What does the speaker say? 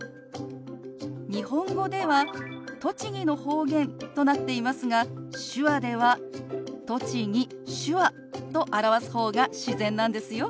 日本語では「栃木の方言」となっていますが手話では「栃木」「手話」と表す方が自然なんですよ。